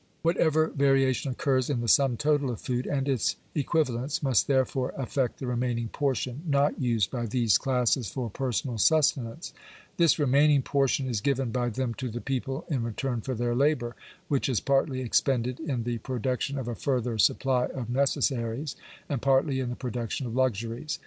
Whatever variation occurs in the sum total of food and its equi valents must therefore affect the remaining portion, not used by Digitized by VjOOQIC P00R LAW8. 827 these classes for personal sustenance. This remaining portion is given by them to the people in return for their labour, which is partly expended in the production of a further supply of ne cessaries, and partly in the production of luxuries.